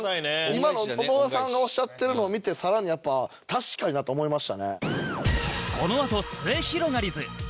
今の野田さんがおっしゃってるのを見て更にやっぱ確かになと思いましたね。